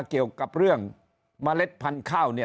เกี่ยวกับเรื่องเมล็ดพันธุ์ข้าวเนี่ย